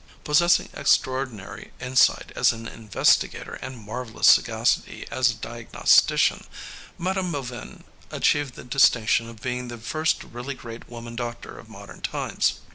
Possessing extraordinary insight as an investigator and marvelous sagacity as a diagnostician, Mme. Bovin achieved the distinction of being the first really great woman doctor of modern times.